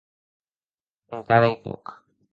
Encara ei pòc.